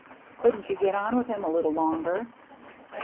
" Couldn't you get on with him a little longer